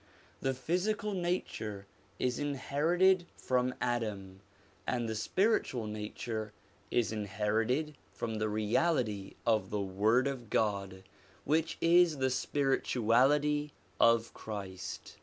The physical nature is inherited from Adam, and the spiritual nature is inherited from the Reality of the Word of God, which is the spirituality of Christ.